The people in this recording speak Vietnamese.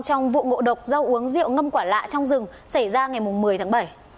trong vụ ngộ độc do uống rượu ngâm quả lạ trong rừng xảy ra ngày một mươi tháng bảy